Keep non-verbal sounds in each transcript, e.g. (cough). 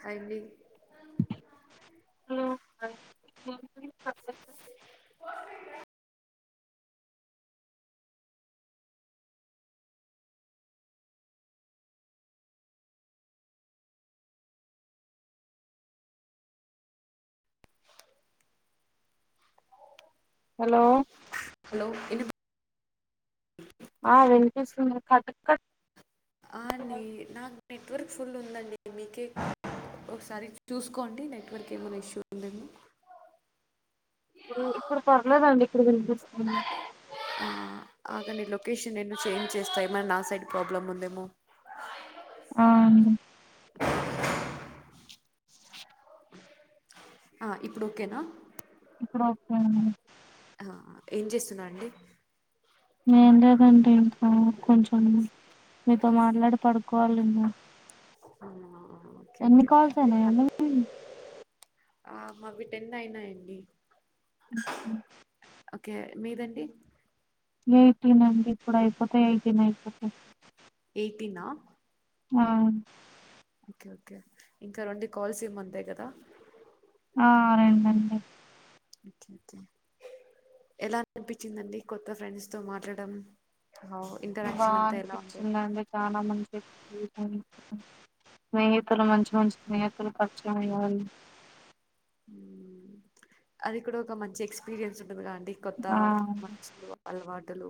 Hi అండి hello (inaudible) (inaudible) hello hello విని ఆ విన్పిస్తుంది కటకట్ ఆ అండి నాక్ నెట్వర్క్ ఫుల్ ఉందండి మీకే ఒక్సారి చూస్కోండి నెట్వర్కేమన్నా ఇష్యూ ఉందేమొ. ఇప్పుడూ ఇప్పుడు పర్లేదండి ఇప్పుడు విన్పిస్తుంది. ఆ ఆగండి లొకేషన్ నేను చేంజ్ చేస్తా ఏమన్న నా సైడ్ ప్రాబ్లముందేమొ. ఆ అండి ఆ ఇప్పుడు ఒకేనా ఇప్పుడు ఒకేఅండి ఆ ఏం చేస్తునర్ అండి ఎం లేదండి ఇంకా కొంచెం మీతో మాట్లాడి పడుకోవాలి ఇంకా ఔనా. ఎన్ని కాల్సైనాయండి మీవి. ఆ మావి టెన్నైయ్నాయండి. మ్ మ్. ఒకే మీదండి. ఒక ఎయ్టీనైపోతయ్. ఎయ్టీనా. ఆ. ఒకె ఒకె ఇంకా రొండి కాల్సేమంతాయ్ కదా. ఆ రెండండి. ఒక్కె ఒక్కె ఎలా అన్పిచ్చిందండి కొత్త ఫ్రెండ్స్ తొ మాట్లాడం. బా అన్పిచ్చిందండి చానా మంచి (unintelligible) ఓకే స్నేహితులు మంచి మంచి స్నేహి తులు పర్చయమయ్యారు. ఊమ్ అది కూడ ఒక మంచి ఎక్స్పీరియన్సు అది గూడా అండి కొత్త ఆ మంచులు అలవాటులు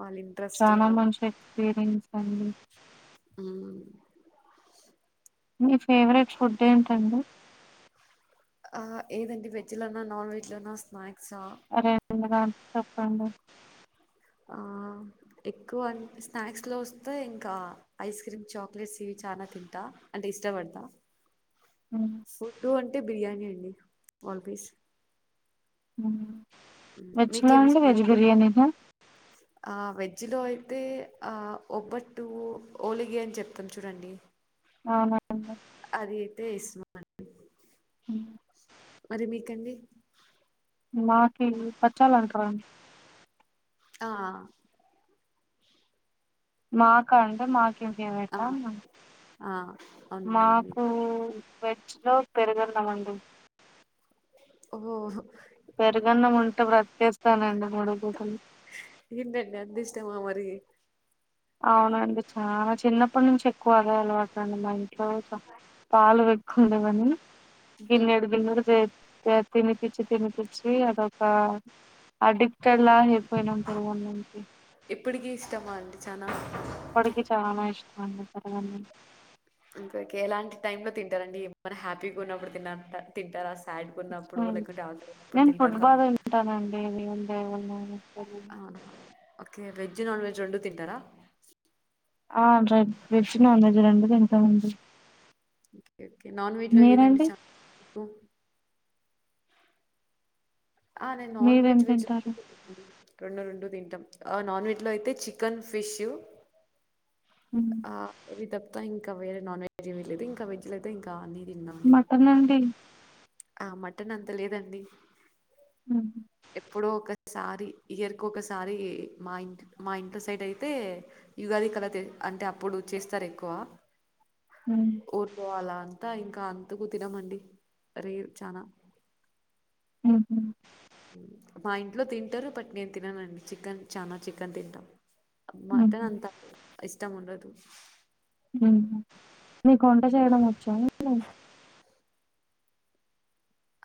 వాళ్ళ ఇంట్రెస్ట్ చానా అలా మంచి ఎక్స్పీరిన్సండి. ఊమ్. మీ ఫేవరెట్ ఫుడ్డేంటండి. ఆ ఏదండి వెజ్జ్ లోనా నాన్వెజ్ లోనా స్నాక్ (unintelligible) చెప్పండి. ఆ ఎక్కువన్ స్నాక్స్ లో వస్తే ఇంకా ఐస్క్రీమ్ చాక్లెట్సివి చానా తింటా అంటె ఇష్టబడ్తా. హ్మ్. ఫుడ్డు అంటె బిర్యానీ అండి ఆల్వేస్. ఊమ్ వెజ్లో మీకేమి అండి ఇష్టం వెజ్ బిర్యానీనా. జిలో ఐతే ఆ ఒబ్బట్టు ఓలిగి అన్ చెప్తాం చూడండి. ఔనా. అది ఐతే ఇస్మ (unintelligible) హ్మ్. మరి మీకండి. మాకీ బచ్చాలంట్రండి. ఆ. మాకా అంటె మాకేం ఆ ఫేవరెట్టా ఆ అవునండి మీకు మాకూ వెజ్జ్ లో పెరుగున్నమండి. ఓ ఒహొ పెరుగన్నముంటె బ్రత్కేస్తానండి మూడు పూటలూ. (unintelligible) అంతిష్టమా మరీ ఔనండి చాన చిన్నప్పట్ నుంచి ఎక్కువదే అలవాటండి మా ఇంట్లో చ పాలు వెక్కుండమని గిన్నెడు గిన్నెడు జే (unintelligible) తినిపిచ్చి తినిపిచ్చీ అదొకా అడిక్టెడ్లా అయ్పొయ్నాం. (unintelligible) ఇప్పుడికీ ఇష్టమా అండి చానా. అన్నం పెరుగన్నం. ఒకే ఒకే ఎలాంటి టైమ్ లో తింటారండి ఎమన హ్యాపీగా ఉన్నప్పుడు తిన్ తింటార సాడ్ ఇష్టం గున్నప్పుడు అండి. లెక్ డౌన్ గా ఉన్నపుడు తింటార ఔనా. ఔను ఒక్కే వెజ్జ్ నాన్వెజ్ రొండూ తింటార. ఆ రేడ్ వెజ్ నాన్వెజ్ రెండు తింటం అండి ఓకే ఓకే నాన్ వెజ్ లో ఏదండి చప్పు ఆ నిన్ నాన్ మీరేం వెజ్ రెండు తింటారు తింట రెండు రెండు తింటం ఆ నాన్ వెజ్ లో అయితే చికెన్ ఫిష్ ఉమ్. ఆ ఇవి తప్ప ఇంకా వేరే నాన్ వెజ్ ఏమి లేదు ఇంకా వెజ్లేతే ఇంకా అన్ని మటనండి ఆ మటన్ అంత లేదండి మ్ హు ఎప్పుడోస్కారి ఇయర్కోకసారి మా ఇంట్ మా ఇంట్లో సైడైతే యుగాది కద తే అంటే అప్పుడు చేస్తారేక్కువ ఉమ్. ఊర్లో అలా అంతా ఇంకా అంతకు తినమండి రేర్ చానా ఉమ్. మా ఇంట్లో తింటరు బట్ నేను తిననండి చికెన్ చానా చికెన్ తింటాం ఉమ్. మటన్ అంతా ఇష్టం ఉండదు మ్ హు మీకు వంట చేయడం వచ్చా అండి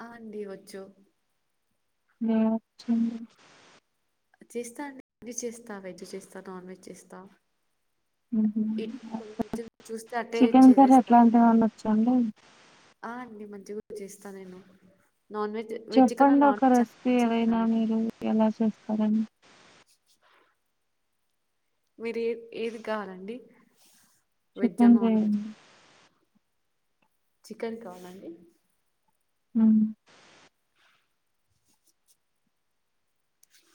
ఆ అండి వచ్చు హా ఒచ్చండి చేస్తాండి అన్నీ చేస్తా వెజ్ చేస్తా నాన్ వెజ్ చేస్తా మ్ హు ఇట్ చూస్తే అట్టే చికెన్ కర్రీ చేసేస్తా ఎట్లాంటి వేవన్నొచ్చా అండి ఆ అండి మంజ్జి గుడ్ చేస్తా నేను నాన్ వెజ్ వెజ్ కన్నా చెప్పండి నాన్ ఒక వెజ్ చాలా రెస్పీ ఏదైనా ఇష్టమండి. మీరు ఎలా చేస్తారని మీరు ఏ ఏది కావాలండి వెజ్జా చికన్ నాన్ వెజ్ చేయండి చికెన్ కావాలాండి హుం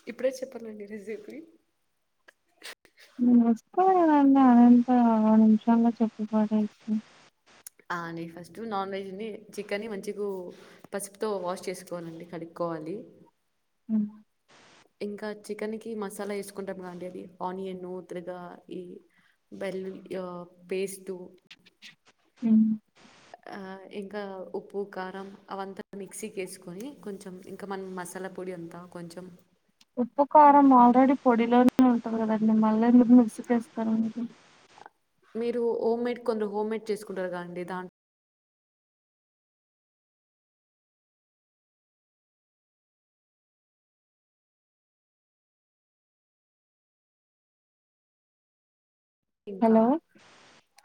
ఇప్పుడే చెప్పాలండి రేసిపీ వస్తాదిగదండి అదెంత నిమిషాల్లో చెప్పిపడేండీ ఆ నీ ఫస్టూ నాన్ వెజ్ని చికెన్ని మంచిగూ పసుపుతో వాష్ చేస్కోవాలండి కడుక్ కోవాలి మ్ ఇంకా చికెన్ కి మసాలా ఏస్కుంటం గా అండి అది ఆనియన్ త్రి గా ఈ బెల్లు ఆ పేస్టు మ్ ఆ ఇంకా ఉప్పు కారం అవంతా మిక్సీకేస్కోని కొంచెం ఇంకా మనం మసాల్ లా పొడి అంతా కొంచెం ఉప్పు కారం ఆల్రెడీ పొడిలో నే ఉంటది కదండి మళ్ళెందుకు మిక్సీకేస్తారండి మీరు ఓమ్మేడ్ కొందరు హోమ్మేడ్ చేస్కుంటరు గా అండి దాం ఇంకా హలో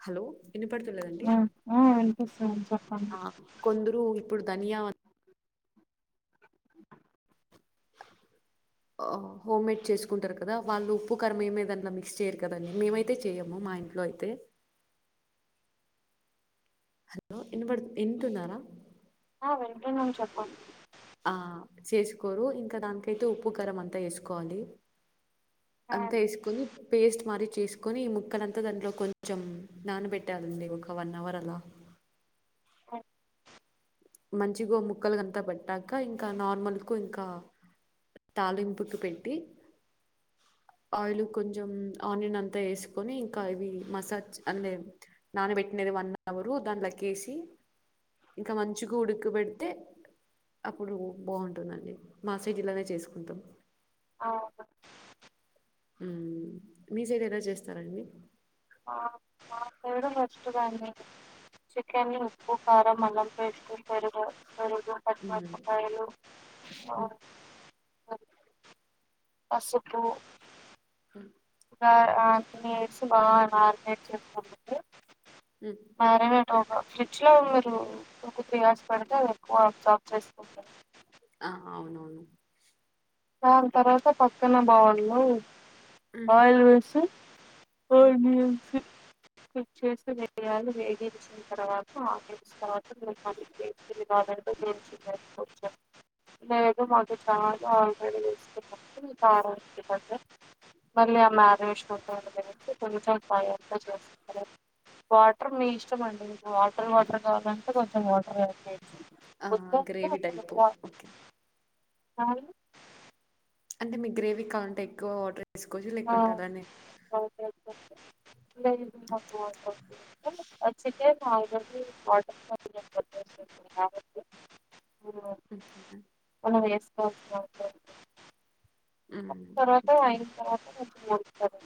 హలో ఇనపడ్తలేదండి ఆ ఆ వినిపిస్తుంది చెప్పండి ఆ కొందరు ఇప్పుడు ధనియా ఆ హోమ్మేడ్ చేస్కుంటరు కదా వాళ్ళు ఉప్పు కారం మేమీదంల్ల మిక్స్ చేయరు కదండి మీమైతే చేయ్యము మా ఇంట్లో అయితే హలో ఇనపబడు ఇంటున్నారా హా వింటున్నాను చెప్పం ఆ చేస్కోరూ ఇంకా దానికైతే ఉప్పు కరమంతా ఏస్కోవాలీ ఆ అంతేస్కొనీ పేస్ట్ మారి చేస్కోనీ ఈ ముక్కలంతా దాంట్లో కొంచెం నానబెట్టాలండి ఒక వన్ అవర్ అలా మంచిగో ముక్కలగంతా పట్టాక ఇంకా నార్మల్క ఇంకా తాలింపుకి పెట్టి ఆయిలు కొంచం ఆనియన్నంతా ఏస్కోని ఇంకా ఇవి మసాజ్ అందే నానబెట్నే వన్ అవరు దన్లకేసి ఇంకా మంచిగ ఉడుకుబెడ్తే అప్పుడు బావుంటుందండి మాసైజ్ ఇలానే చేసుకుంతాం ఔనా ఉమ్ మీ సైడ్ ఎలా జేస్తారండి ఆ మా సైడు నెష్ట్ (unintelligible) చికెన్లా ఉప్పు కారం మల్లం పేస్ట్ పెరుగు పెరుగ్ ఉమ్ ఆహ్, (inaudible) పసుపు హా ఆ-ఆ (inaudible) మినేట్స్ బా మాగ్నేట్ చేస్క్ మ్మ్ (inaudible) (inaudible) ఫ్రిడ్జ్ లో టు టు త్రీ అవర్స్ పడితే ఎక్కువ చాప్ చేస్కుంటార్ ఆ ఔనౌను దాన్ తర్వాత పక్కన బవుల్లో మ్మ్ ఆయిల్ వేసి (unintelligible) కుక్ చేస్తే వేయ్యాలి వేగించిన్ తర్వాత ఆనియన్స్ తర్వాత (inaudible) (unintelligible) (unintelligible) మళ్ళీ ఆ మాగినేషన్ నొద్దనికనేసీ కొంచం పై (inaudible) చేస్త్ వాటర్ మీ ఇష్టం అండి వాటర్ వాటర్ గావలంటే కొంచెం వాటర్ ఆడ్ చేయొచ్చు ఆ వద్దంటే గ్రేవి అసలు టైపో వా ఒక్కే (inaudible) అంటే మీక్ గ్రేవీ కౌంట్ ఎక్కువ వాట్రేస్కోచ్చు లేకుంట అలానే (inaudible) ఒచ్చిందే (unintelligible) వాటర్ (inaudible) హ్మ్. ఓకేనా (unintelligible) మ్మ్ తర్వాత ఓకే అయిన్ తర్వాత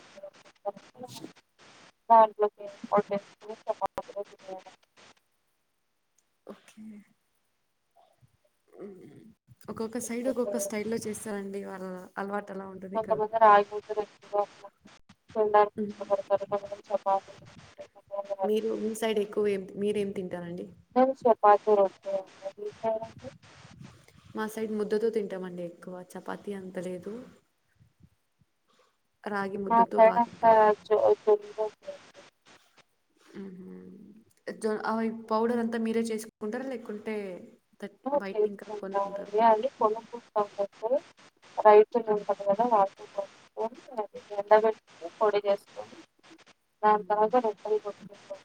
(inaudible) (inaudible) దాంట్లోకే (inaudible) తిన్లా ఓకే ఒక్కొక్క సైడ్ లేకపోతే ఒక్కొక్క స్టైల్లో చేస్తారండి వాళ్ళ అల్వాట్ కొంతమంది రాయ్పోతుర్రా (inaudible) మ్మ్ ఇష్టపడతారు కొంతమంది చపాతీ మీరు మీ సైడ్ ఎక్కువ ఏం మీరేం తింటారండి నేను (unintelligible) మా సైడ్ ముద్దతో తింటామండి ఎక్కువ చపాతీ అంతలేదు మా బాగా సైడంతా తింటాం చో (unintelligible) ఉమ్ హ్ ఇజ్జో ఆ పౌడరంతా మీరే చెస్కుంటరా లేకుంటే (inaudible) పోల్నాండి కొనుకుంటాం (unintelligible) రైతులుంటరు గదా వాళ్తోపాటు (inaudible) ఎండగట్టి పొడి జేస్కొని దాని ఉమ్ తర్వాత రొట్టెల్ గొట్క్ (inaudible)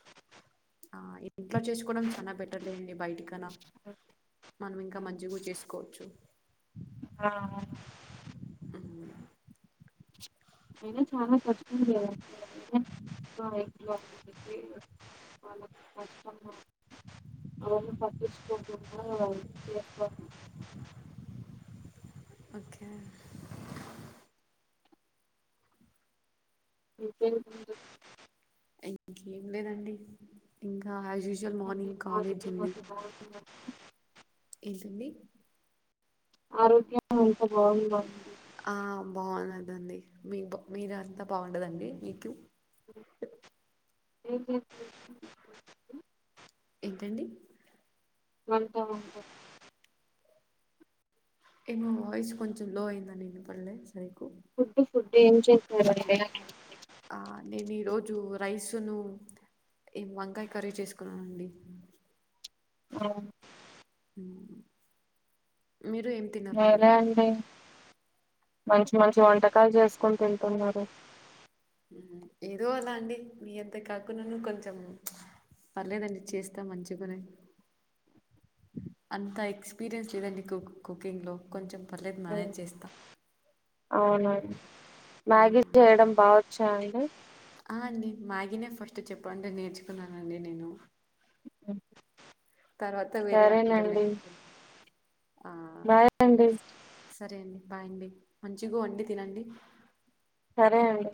ఆ ఇంట్లో చేస్కోవడం చానా బెటర్లేయండి బైటికనా మనమింకా మంచిగో చేస్కోచ్చు ఆ ఐనా చాలా ఖర్చుంటది గదా (inaudible) వాళ్ళక్ పష్టంగా అవన్నీ పట్టించుకోకుండా చేసుకో ఓకే ఇంకేం అండి ఏం లేదండి ఇంకా ఆజ్యూస్వల్ మార్నింగ్ కాలేజ్ ఆరోగ్యం ఉంది అంత బాగుందా ఏంటి అండి ఆరోగ్యం అంత బాగుందా అండి ఆ బాగున్నదండి మీ మీరంతా బాగుంటదండి మీకు ఎం చేస్తున్నారు అండి ఏంటండి ఉంట ఉంట ఏమో వాయిస్ కొంచం లో అయిందా నిన్నపల్లే సరిగా ఫుడ్డు ఫుడ్డు ఏం చేస్తరాండి ఆ నేను ఈరోజు రైసును ఏం వంకాయ కర్రీ చేస్కున్నానండి ఆహ్ మ్ మీరు ఏం తిన్నారండి మీరే అండి మంచి మంచి వంటకాలు చేస్కోని తింటున్నారు ఏదో అలా అండి మీ అంత కాకున్నా కొంచెం పర్లేదండి చేస్తా మంచిగునే అంత ఎక్స్పీరియన్స్ లేదండి కు కుకింగ్లో కొంచెం పర్లేదు మేనేజ్ చేస్తా అవునా అండి మ్మ్. మ్యాగీ చేయ్డం బాగోచ్చా అండి ఆ అండి మ్యాగీనే ఫస్ట్ చెప్పండి నేర్చుకున్నానండి నేను తర్వాత వేరే వాన్టల్ సరేనండి నేర్చు బాయ్ అండి సరే అండి బాయ్ అండి మంచిగ వండి తినండి సరే అండి